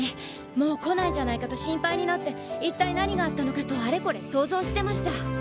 もう来ないんじゃないかと心配になって一体何があったのかとあれこれ想像してました。